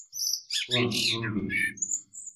Һуң мин бит...